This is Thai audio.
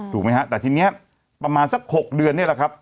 ถูกไหมฮะแต่ทีนี้ประมาณสัก๖เดือนนี่แหละครับ